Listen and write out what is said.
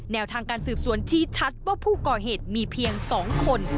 แนวทางการสืบสวนชี้ชัดว่าผู้ก่อเหตุมีเพียง๒คน